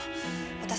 私